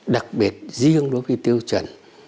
đặc biệt riêng đối với tiêu chuẩn